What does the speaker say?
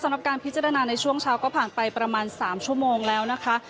สำหรับการพิจารณาในช่วงเช้าก็ผ่านไปประมาณ๓ชั่วโมงแล้วนะคะ